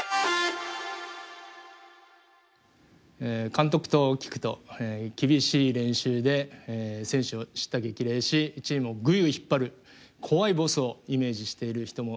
監督と聞くと厳しい練習で選手を叱咤激励しチームをぐいぐい引っ張る怖いボスをイメージしている人もいると思います。